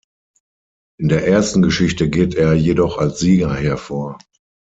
In der ersten Geschichte geht er jedoch als Sieger hervor.